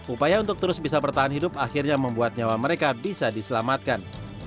upaya untuk terus bisa bertahan hidup akhirnya membuat nyawa mereka bisa diselamatkan